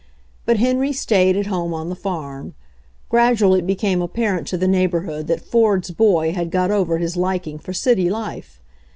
But Henry stayed at home on the farm. Grad ually it became apparent to the neighborhood that Ford's boy had got over his liking for city life.